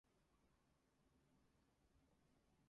Bell attended Lucy Craft Laney High School in Augusta, Georgia.